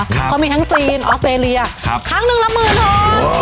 เขามีทั้งจีนออสเตรเลียครั้งหนึ่งละหมื่นท้อง